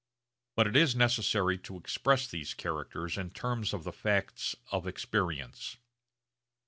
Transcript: But it is necessary to express these characters in terms of the facts of experience.